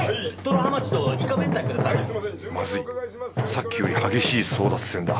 さっきより激しい争奪戦だ。